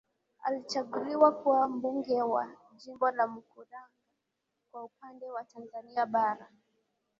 Alichaguliwa kuwa mbunge wa jimbo la Mkuranga kwa upande wa Tanzania bara